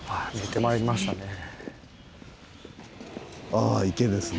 あ池ですね。